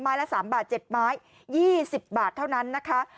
ละ๓บาท๗ไม้๒๐บาทเท่านั้นนะคะ